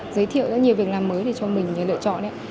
giới thiệu rất nhiều việc làm mới để cho mình lựa chọn đấy